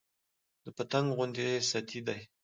د پتنګ غوندې ستي دى